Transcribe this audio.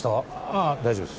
あぁ大丈夫です。